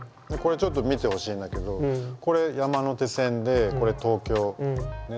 これちょっと見てほしいんだけどこれ山手線でこれ東京。